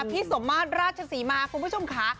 พี่สมมาธราชสิงหมาคุณผู้ชมคะ